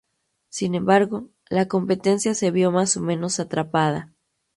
Sin embargo, la competencia se vio más o menos atrapada.